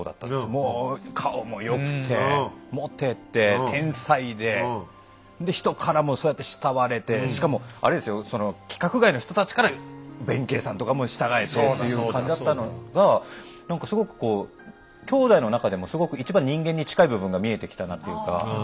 もう顔も良くてモテて天才でで人からもそうやって慕われてしかもあれですよその規格外の人たちから弁慶さんとかも従えてという感じだったのが何かすごくこう兄弟の中でもすごく一番人間に近い部分が見えてきたなっていうか